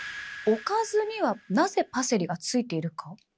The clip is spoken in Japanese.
おかずにはなぜパセリがついているか？